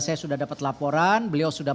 saya sudah dapat laporan beliau sudah